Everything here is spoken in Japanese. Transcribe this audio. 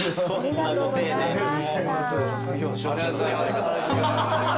ありがとうございます。